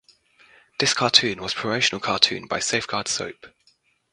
This cartoon was promotional cartoon by Safeguard Soap.